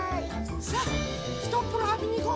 さあひとっぷろあびにいこう。